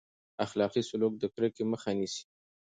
اخلاقي سلوک د کرکې مخه نیسي.